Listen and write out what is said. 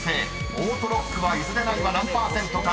［オートロックは譲れないは何％か。